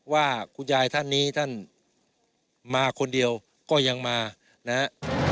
ว่าคุณยายท่านนี้ท่านมาคนเดียวก็ยังมานะฮะ